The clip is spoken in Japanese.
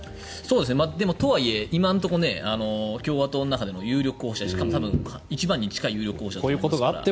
でも、とはいえ今のところ共和党の中での有力候補者しかも一番に近い有力候補者ですから。